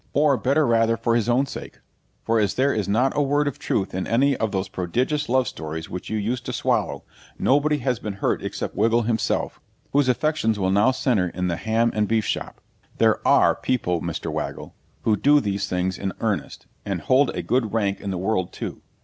Or, better rather for his own sake. For as there is not a word of truth in any of those prodigious love stories which you used to swallow, nobody has been hurt except Wiggle himself, whose affections will now centre in the ham and beef shop. There ARE people, Mr. Waggle, who do these things in earnest, and hold a good rank in the world too.